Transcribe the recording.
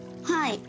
はい！